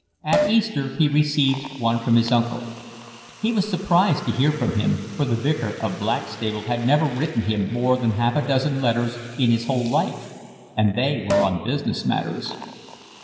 At Easter he received one from his uncle. He was surprised to hear from him, for the Vicar of Blackstable had never written him more than half a dozen letters in his whole life, and they were on business matters.